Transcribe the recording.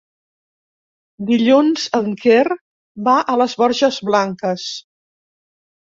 Dilluns en Quer va a les Borges Blanques.